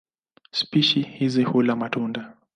Spishi hizi hula matunda.